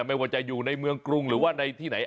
ไม่ว่าจะอยู่ในเมืองกรุงหรือว่าในที่ไหน